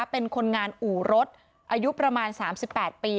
เป็นคนงานอู่รถอายุประมาณ๓๘ปี